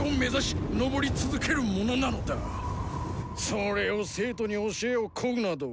それを生徒に教えを乞うなど。